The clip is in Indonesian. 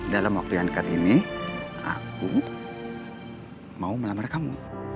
dalam waktu yang dekat ini aku mau melamar kamu